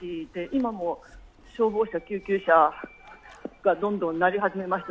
今も消防車と救急車がどんどん鳴り始めました。